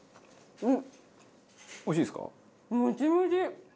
うん！